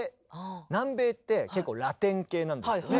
南米って結構ラテン系なんですよね。